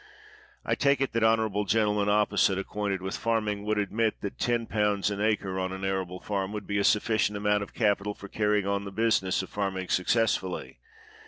I take it that honorable gentlemen opposite, acquainted with farming, would admit that 101. an acre, on an arable farm, would be a sufficient amount of capital for carrying on the business of farming successfully.